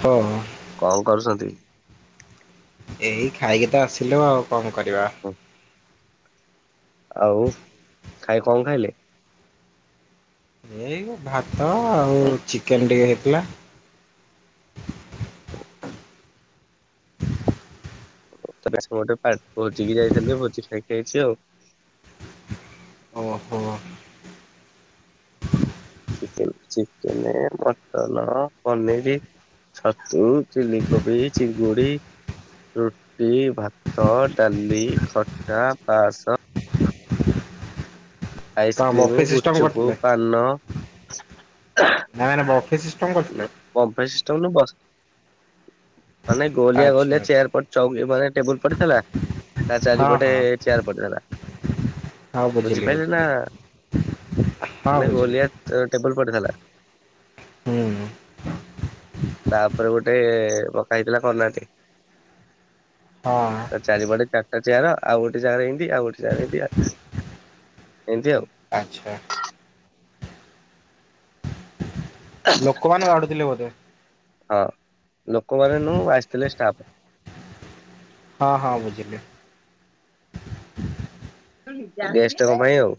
ହ ହ। କଁ କରୁଛନ୍ତି? ଏଇ ଖାଇକି ତ ଆସିଲୁ ଆଉ କଣ କରିବା। ଆଉ ଖାଇ କଣ ଖାଇଲେ? ଏଇ ଭାତ ଆଉ ଚିକେନ ଟିକେ ହେଇଥିଲା। ତ ଆଜ ଗୋଟେ ପା ଭୋଜିିକି ଯାଇଥିଲି ଭୋଜି ଖାଇକି ଆଇଛି ଆଉ। ଓହୋ। ଚି-ଚିକେନ, ମଟନ, ପନିରି। ଛତୁ, ଚିଲିକୋବି, ଚିଙ୍ଗୁଡି। ରୁଟି, ଭାତ, ଡାଲି, ଖଟା, ପାସ କଣ ଆଇସକ୍ରିମି, ବଫେ ସିଷ୍ଟମ ଗୁପଚୁପ, ପାନ। ଖାଇବାଟା ବଫେ ସିଷ୍ଟମ କରିଥିଲେ? ବଫେ ସିଷ୍ଟମ ନୁହଁ ବସ ମାନେ ଗୋଲିଆ ଆଚ୍ଛା ଗୋଲିଆ ଆଚ୍ଛା ଚେୟାର ପଡି ଚଉକି ଉପରେ ଟେବୁଲ ପଡିଥିଲା। ତା ହଁ ଚାରିପଟେ ହଁ ଚେୟାର ପଟେ ପଡିଥିଲା, ହଁ ବୁଝିଲି ବୁଝିପାରିଲି ନା ବୁଝିଲି ହଁ ମାନେ ବୁଝିଲି ଗୋଲିଆ ଟେ-ଟେବୁଲ ପଡିଥିଲା। ହୁଁ। ତାପରେ ଗୋଟେ ପକା ହେଇଥିଲା କଣ ନା ହଁ। ତା ଚାରିପଟେ ଚାରିଟା ଚେୟାର ଆଉ ଗୋଟେ ଜାଗାରେ ଏମତି ଆଉ ଗୋଟେ ଜାଗାରେ ଏମତି, ଏମତି ଆଉ। ଆଚ୍ଛା। ଲୋକମାନେ ବାଢୁଥିଲେ ବୋଧେ? ହଁ ଲୋକମାନେ ନୁହଁ ଆସିଥିଲେ ଷ୍ଟାଫ। ହଁ ହଁ ବୁଝିଲି। ଗେଷ୍ଟଙ୍କ ପାଇଁ ଆଉ।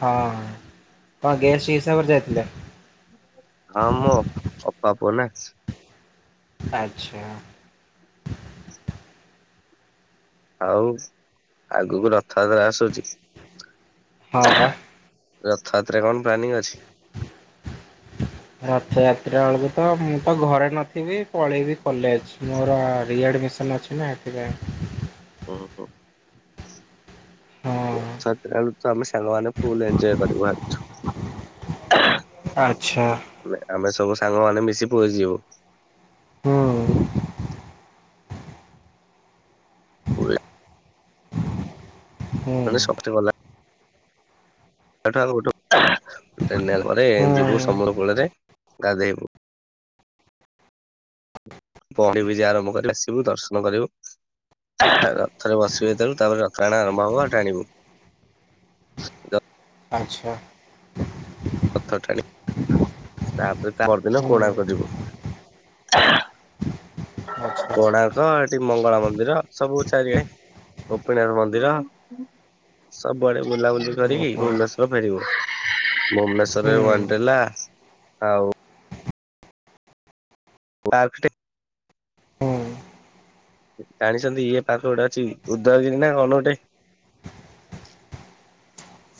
ହଁ [unintelligible] ଗେଷ୍ଟ ହିସାବରେ ଯାଇଥିଲେ? ହଁ ମୋ ଅପା ପୁଅ ନା। ଆଚ୍ଛା ଆଉ ଆଗକୁ ରଥଯାତ୍ରା ଆସୁଛି ହଁ ବା ରଥଯାତ୍ରା କଣ ପ୍ଲାନିଂ ଅଛି ରଥଯାତ୍ରା ବେଳକୁ ତ ମୁଁ ତ ଘରେ ନଥିବି ପଳେଇବି କଲେଜ ମୋର ଆରି ଆଡ଼ମିସନ୍ ଅଛି ହେପା ଓ ହୋ ହଁ। ରଥଯାତ୍ରାୁ ତ ଆମେ ସାଙ୍ଗମାନେ ଫୁଲ ଏଞଜୟ କରି ଭାବିଛୁ ଆଚ୍ଛା ଆମେ ସବୁ ସାଙ୍ଗ ମାନେ ମିଶି ପୁଯିବୁ ହୁଁ ପୁର ହୁଁ ମାନ ସବୁେ ଭଲାଗ ଠୁ ଆ ଗୋଟେ ପରେ ଯିବୁ ହୁଁ ସମୂଳ କୂଳରେ ଗାଧେଇବୁ ପଣିବି ଯ ଆରମ୍ଭ କରିବି ଆସିବୁ ଦର୍ଶନ କରିବୁ ରଥରେ ବସିବେ ଯେତବେରୁ ତାପରେ ଯତ୍୍ରଣା ଆରମ୍ଭ ହବ ଆଉ ଟ ଆଣିବୁ ଆଚ୍ଛା ପଥ ଟାଣି ତାପରେ ତା ପରଦିନ ହୁଁ କୋଣକ ଯିବୁ ଆଚ୍ଛା କୋଣାର୍କ ଏଠି ମଙ୍ଗଳା ମନ୍ଦିର ସବୁ ଚାରିଆ ଗୋପୀନାଥ ମନ୍ଦିର ସବୁଆଡେ ବୁଲାବୁଲି କରିକି ଓହୋ ଭନେଶ ଫେରିବୁ ହୁଁ ଭୁବନେଶ୍ଵରରେ ୱାନଲା ଆଉ ବା ହୁଁ ଜାଣିଛନ୍ତି ଇଏ ପାଖ ଗୋଟେ ଅଛି ଉଦୟଗିରି ନା କଣ ଗୋଟେ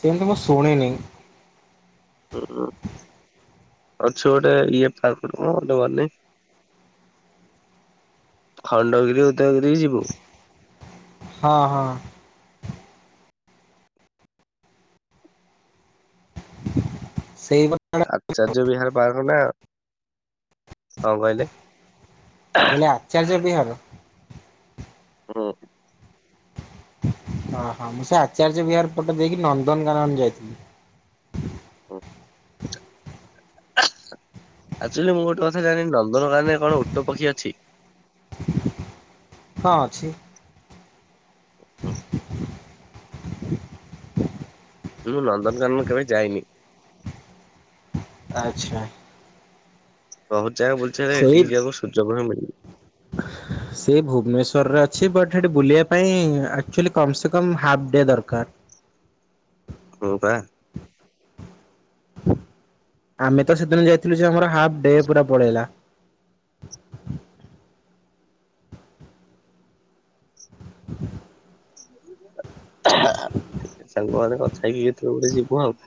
ସେମିୁ ମୁଁ ଶୁଣେନି ହ ଅଛ ଗୋଟେ ଇଏ କଣନି ଖଣ୍ଡଗିରି ଉଦୟଗିରିି ଯିବୁ ହଁ ହଁ ସେଇ ଆଚାର୍ଯ୍ୟ ବିହାର ପାର୍କ ନା କଁ କହିଲେ ଆ ଚାରଜ ବିି ହଁ ଓ ହଁ ମୁଁ ସେ ଆଚାର୍ଯ୍ୟ ବିହାର ଫଟୋ ଦେଇକି ନନ୍ଦନକାନନ ଯାଇଥିଲି ଆକ୍ଚୁଆଲି ମୁଁ ଗୋଟେ କଥା ଜାଣି ନନ୍ଦନକାନରେ କଣ ଓଟ ପକ୍ଷୀ ଅଛି ହଁ ଅଛି ବସ୍ ମୁଁ ନନ୍ଦନକାନନ କେବେ ଯାଇନି ଆ୍ଛା ବହୁତ ଜାଗା ବୁଲଛ ହେ ସେଇ ଏଠିକି ଯିବାକୁ ସୁଯୋଗ ହଁ ମିଳିଲି ସେ ଭୁବନେଶ୍ୱରରେ ଅଛି ବଟ୍ ସେଠି ବୁଲିବା ପାଇଁ ଆଚୁଲି କମ ସେ କମ ହାଫ ଡେ ଦରକାର ର ବା ଆମେ ତ ସେଦିନ ଯାଇଥିଲୁ ଯେ ଆମର ହାଫ୍ ଡେ ପୁରା ପଳେଇଲା ସାଙ୍ଗମାନେ କଥା ହେଇକି କେତବେଳେ ଗୋଟେ ଯିବୁ ଆଉ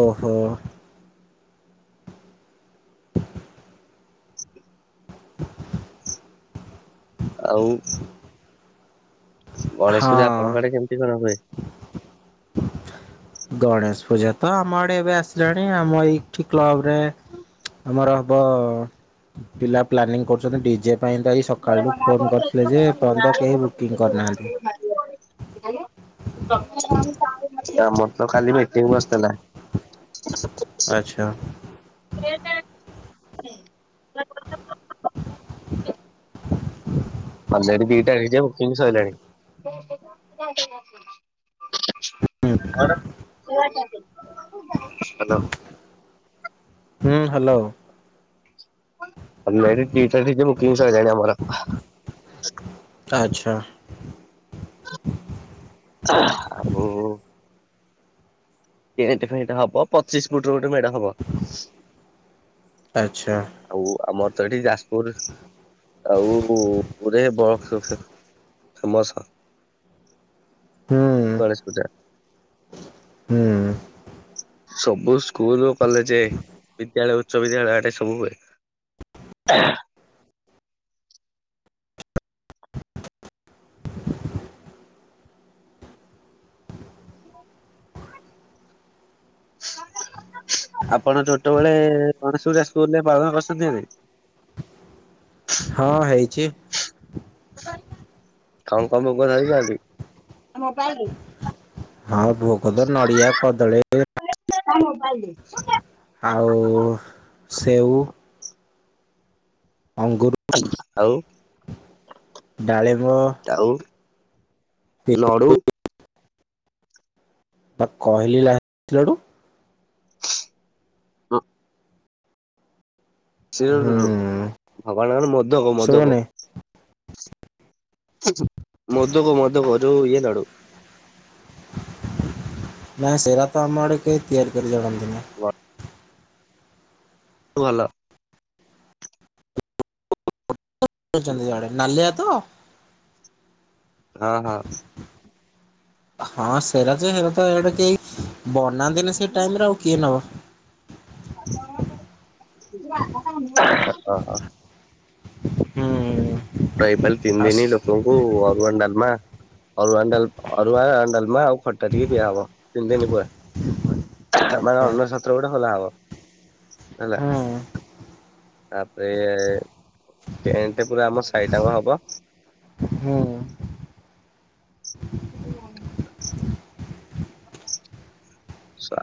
ଓହୋ ଆଉ ଗଣେଶ ହଁ ପୂଜାପଣଙ୍କ ଆଡେ କେମିତି କଣ ହୁଏ ଗଣେଶ ପୂଜା ତ ଆମ ଆଡେ ଏବେ ଆସିଲାଣି ଆମ ଏଇଠି କ୍ଲବ ରେ ଆମର ହବ ପିଲା ପ୍ଲାନିଂ କରୁଚନ୍ତି ଡିଜେ ପାଇଁ ତ ଏ ସକାଳୁ ଫୋନ୍ କରିଥିଲେ ଯେ ଏପନ୍ତ କେହି ବୁକିଂ କରିନାହାନ୍ତି। [unintelligible] ଆମର ତ କାଲି ମିଟିଙ୍ଗ ବସିଥିଲା। ଆଚ୍ଛା। [inaudible] [unintelligible] ବକିଂ ସଇଲାଣି। [inaudible] ହେଲୋ। ହୁଁ ହାଲୋ। ଅଲରେଡ଼ି [unintelligible] ବୁକିଂ ହେଇସାଇଲାଣି ଆମର। ଆଚ୍ଛା। ହଁ ଟେଣ୍ଟ ଫେଣ୍ଟ ହବ ପଚିଶ ଫୁଟ ର ଗୋଟେ ମେଢ଼ ହବ। ଆଛା। ଆଉ ଆମର ତ ଏଠି ଯାଜପୁର ଆଉ ଉରେ ବକ୍ସ [unintelligible] ହୁଁ। ଗଣେଶ ପୂଜା। ହୁଁ। ସବୁ ସ୍କୁଲ କଲେଜ ବିଦ୍ୟାଳୟ ଉଚ୍ଚ ବିଦ୍ୟାଳୟ ଆଟେ ସବୁ ହୁଏ। ହ ଆପଣ ଛୋଟବେଳେ ଗଣେଶ ପୂଜା ସ୍କୁଲ ରେ ପାଳନ କରିଚନ୍ତି କି? ହଁ ହେଇଚି। [inaudible] ହଁ ଭୋଗ ତ ନଡ଼ିଆ କଦଳୀ [inaudible] ଆଉ ସେଉ ଅଙ୍ଗୁର ଆଉ। ଡାଳିମ୍ବ ଆଉ ଲଡ଼ୁ। ପା କହିଲି [unintelligible] ଲଡ଼ୁ। ହୁଁ [unintelligible] ମୋଦକ ମୋଦକ। ଶୁଭୁନି ମୋଦକ ମୋଦକ ଯୋଉ ଇଏ ଲଡ଼ୁ। ନାହିଁ ସେଇଟା ତ ଆମ ଆଡ଼େ କେହି ତିଆରି କରି ଜାଣନ୍ତି ନି। [unintelligible] ଭଲ। ରୁଚନ୍ତି ସିଆଡେ, ନାଲିଆ ତ? ହଁ ହଁ। ହଁ ସେଇରା ଯେ ସେରା ତ ଇଆଡ଼େ କେହି ବନାନ୍ତି ନି ସେ ଟାଇମରେ ଆଉ କିଏ ନବ? [inaudible] ହୁଁ। ତ ପାଳି ତିନି ଆସ ଦିନି ଲୋକଙ୍କୁ ଅରୁଆ ଡାଲମା ଅରୁଆ ଅ ଡା ଅରୁଆ ଡାଲମା ଆଉ ଖଟା ଟିକେ ଦିଆହବ ତିନି ଦିନ ପୁରା। ମାନେ ଆଚ୍ଛା ଅନ୍ନ ଛତ୍ର ଗୋଟେ ଖୋଲା ହବ ହେଲା। ହୁଁ ତାପରେ ଟେଣ୍ଟ ପୁରା ଆମ ଶାଇ ଟାଙ୍କ ହବ। ହୁଁ। ହ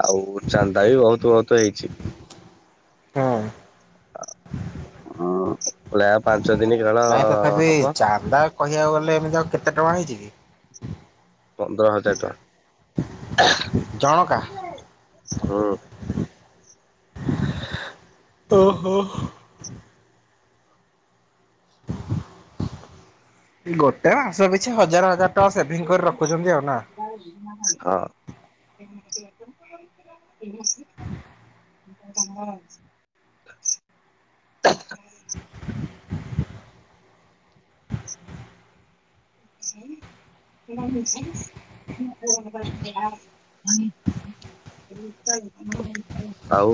ଆଉ ଚାନ୍ଦା ବି ବହୁତ ବହୁତ ହେଇଚି। [inaudible] କହିଲି ଆଉ ପାଞ୍ଚ ଦିନ ଖେଳ ହ-ହବ। ଦା କହିବାକୁ ଗଲେ ଏମିତି ଆଉ କେତେ ଟଙ୍କା ହେଇଚି କି? ପନ୍ଦର ହଜାର ଟଙ୍କା। ଜଣକା? ହୁଁ। ଓହୋ। ଗୋଟେ ମାସ ପିଛା ହଜାର ହଜାର ଟଙ୍କା ସେଭିଙ୍ଗ କରି ରଖୁଚନ୍ତି ଆଉ ନା? ହଁ। [inaudible] କାମ ଅଛି। [inaudible] [inaudible] ଆଉ।